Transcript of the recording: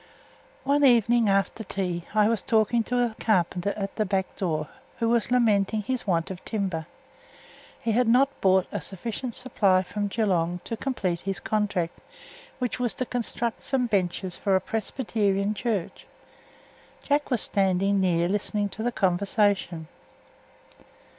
One evening after tea I was talking to a carpenter at the back door, who was lamenting his want of timber. He had not brought a sufficient supply from Geelong to complete his contract, which was to construct some benches for a Presbyterian Church. Jack was standing near listening to the conversation.